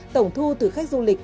tổng thu từ khách du lịch